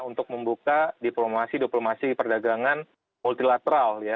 untuk membuka diplomasi diplomasi perdagangan multilateral ya